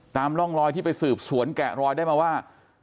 ตามร่องรอยที่ไปสืบสวนแกะรอยได้มาว่า